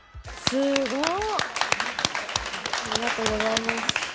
すごい。